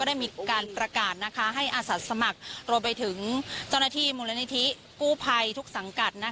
ก็ได้มีการประกาศแหล่ะให้อสัตว์สมัครตรงไปถึงเจ้าหน้าที่ภวร์มุรณนิฐิกู้ภัยทุกสังกัด